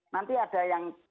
nanti ada yang